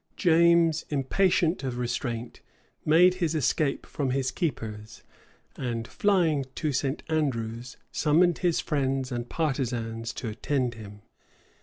James, impatient of restraint, made his escape from his keepers; and flying to St. Andrews, summoned his friends and partisans to attend him.